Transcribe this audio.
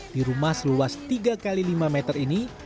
di rumah seluas tiga x lima meter ini